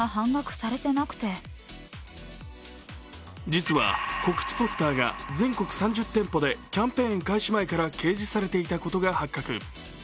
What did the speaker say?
実は告知ポスターが全国３０店舗でキャンペーン開始前から掲示されていたことが発覚。